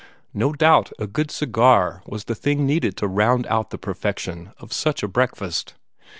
No doubt a good cigar was the thing needed to round out the perfection of such a breakfast.